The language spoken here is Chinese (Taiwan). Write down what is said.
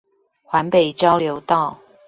環北交流道